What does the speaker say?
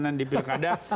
dan dipilih kada